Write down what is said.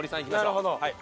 なるほど。